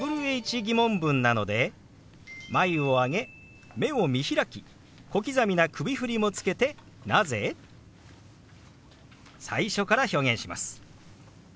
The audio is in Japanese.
ー疑問文なので眉を上げ目を見開き小刻みな首振りもつけて「なぜ？」。最初から表現します。